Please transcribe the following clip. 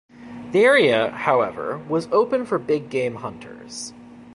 The area, however, was open for big game hunters.